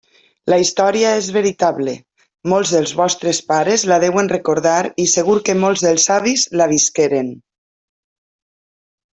La història és veritable, molts dels vostres pares la deuen recordar i segur que molts dels avis la visqueren.